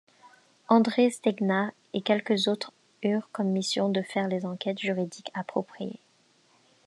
André Streignart et quelques autres eurent comme mission de faire les enquêtes juridiques appropriées.